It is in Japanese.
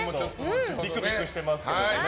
ビクビクしてますけど。